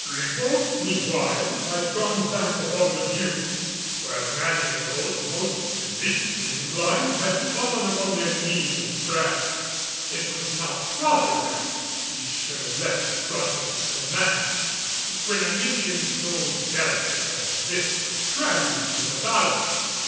Ribault meanwhile had gone back among the dunes, where many of those most religiously inclined had fallen upon their knees in prayer. It was not proper that he should have left the front of his command when a mission so delicate as this was trembling in the balance.